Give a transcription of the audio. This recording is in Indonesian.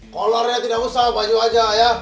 kolarnya tidak usah baju aja ya